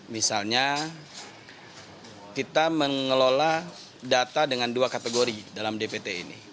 misalnya kita mengelola data dengan dua kategori dalam dpt ini